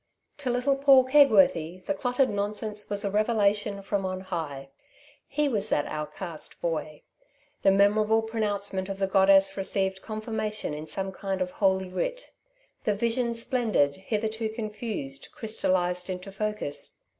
To little Paul Kegworthy the clotted nonsense was a revelation from on high. He was that outcast boy. The memorable pronouncement of the goddess received confirmation in some kind of holy writ. The Vision Splendid, hitherto confused, crystallized into focus.